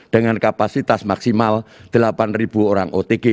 dengan kapasitas maksimal delapan orang otg